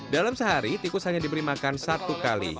dalam sehari tikus hanya diberi makan satu kali